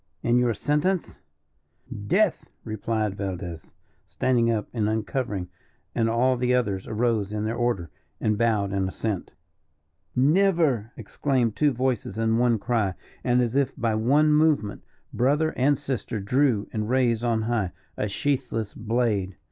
"And your sentence?" "Death!" replied Valdez, standing up and uncovering, and all the others arose in their order, and bowed in assent. "Never!" exclaimed two voices in one cry, and, as if by one movement, brother and sister drew, and raised on high, a sheathless blade.